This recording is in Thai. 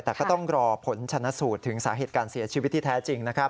แต่ก็ต้องรอผลชนะสูตรถึงสาเหตุการเสียชีวิตที่แท้จริงนะครับ